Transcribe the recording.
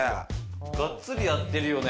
がっつりやってるよね。